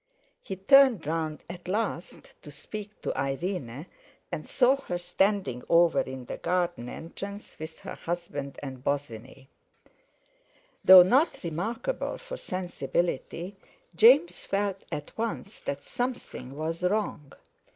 He turned round at last to speak to Irene, and saw her standing over in the garden entrance, with her husband and Bosinney. Though not remarkable for sensibility, James felt at once that something was wrong.